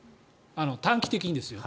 短期的にですよ。